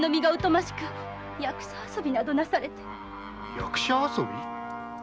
役者遊び？